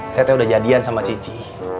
saya udah jadian sama cici